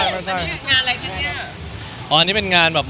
เอ่อนี่เป็นงานแบบ